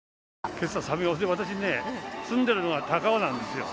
けさは寒いよ、私ね、住んでるのが高尾なんですよ。